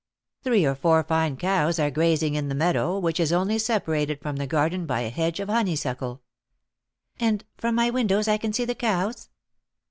"Three or four fine cows are grazing in the meadow, which is only separated from the garden by a hedge of honeysuckle " "And from my windows I can see the cows?"